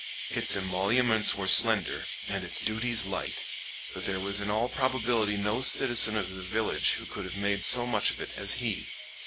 Its emoluments were slender and its duties light, but there was in all probability no citizen of the village who could have made so much of it as he.